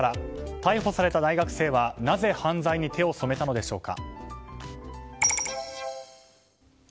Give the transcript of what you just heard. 逮捕された大学生は、なぜ犯罪に手を染めたのでしょうか。